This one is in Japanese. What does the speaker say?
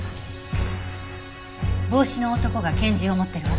帽子の男が拳銃を持ってるわ。